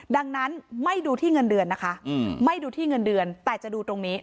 ดังนั้นไม่ดูที่เงินเดือนนะคะไม่ดูที่เงินเดือนแต่จะดูตรงนี้